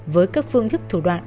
với các phương thức thủ đoạn